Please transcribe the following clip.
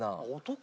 男？